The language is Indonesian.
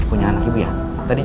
punya anak ibu ya